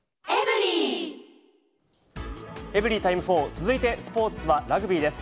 エブリィタイム４、続いてスポーツはラグビーです。